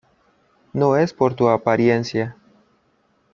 No es por tu apariencia.